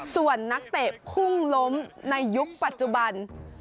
ส่วนนักเตะพุ่งล้มในยุคปัจจุบัน